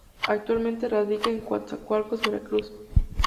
Actualmente radica en Coatzacoalcos, Veracruz.